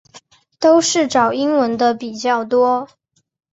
都是找英文的比较多